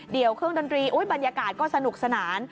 เดี๋ยวเครื่องดนตรีบรรยากาศก็สนุกสนาน